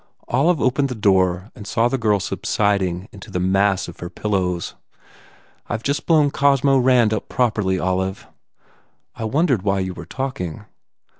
Olive opened the door and saw the girl subsiding into the mass of her pillows. "I ve just blown Cosmo Rand up properly, Olive." "I wondered why you were talking."